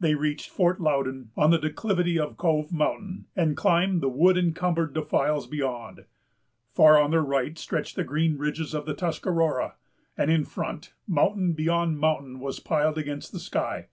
They reached Fort Loudon, on the declivity of Cove Mountain, and climbed the wood encumbered defiles beyond. Far on their right stretched the green ridges of the Tuscarora; and, in front, mountain beyond mountain was piled against the sky.